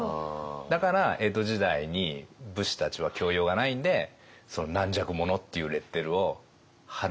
だから江戸時代に武士たちは教養がないんで軟弱者っていうレッテルを貼るんですよね。